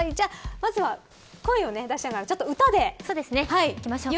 まずは声を出しながら歌でいきましょうか。